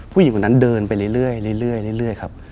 ผู้หญิงคนนั้นเดินไปเรื่อยครับ